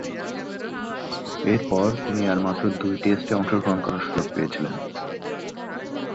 এরপর তিনি আর মাত্র দুই টেস্টে অংশগ্রহণ করার সুযোগ পেয়েছিলেন।